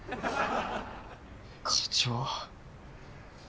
課長。